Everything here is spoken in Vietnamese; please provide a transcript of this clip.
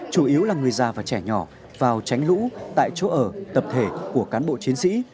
chủ yếu là người già và trẻ nhỏ vào tránh lũ tại chỗ ở tập thể của cán bộ chiến sĩ